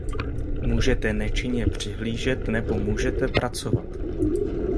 Můžete nečinně přihlížet, nebo můžete pracovat.